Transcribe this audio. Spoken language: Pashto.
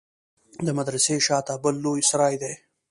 د مدرسې شا ته بل لوى سراى دى.